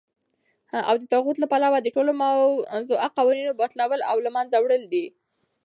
او دطاغوت له پلوه دټولو موضوعه قوانينو باطلول او له منځه وړل دي .